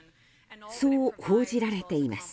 そう報じられています。